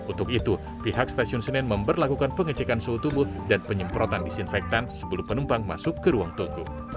untuk itu pihak stasiun senen memperlakukan pengecekan suhu tubuh dan penyemprotan disinfektan sebelum penumpang masuk ke ruang tunggu